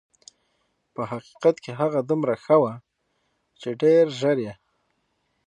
په حقیقت کې هغه دومره ښه وه چې ډېر ژر یې.